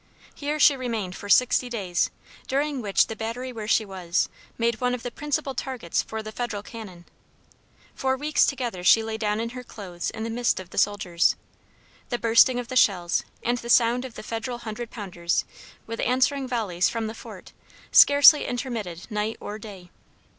Here she remained for sixty days, during which the battery where she was, made one of the principal targets for the federal cannon. For weeks together she lay down in her clothes in the midst of the soldiers. The bursting of the shells and the sound of the federal hundred pounders, with answering volleys from the fort, scarcely intermitted night or day.